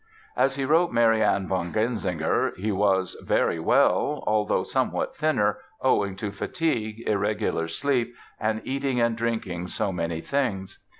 As he wrote Marianne von Genzinger, he was "very well, although somewhat thinner, owing to fatigue, irregular sleep, and eating and drinking so many things".